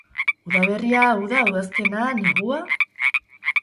Udaberria, uda, udazkena, negua?